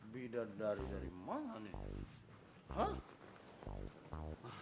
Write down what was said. beda dari mana nih